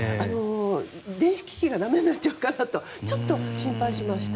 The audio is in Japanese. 電子機器がだめになっちゃうかなとちょっと心配しました。